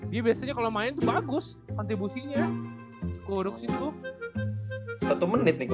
dia biasanya kalo main tuh bagus kontribusinya skurx itu